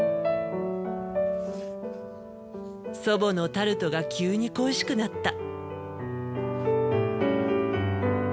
祖母のタルトが急に恋しくなった。